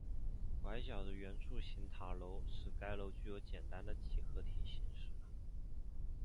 拐角的圆柱形塔楼使该楼具有简单的几何体形式。